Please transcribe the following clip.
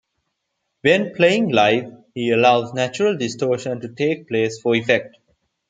When playing live he allows natural distortion to take place for effect.